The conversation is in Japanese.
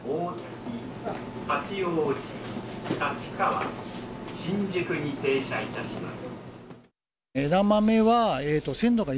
八王子、立川、新宿に停車いたします。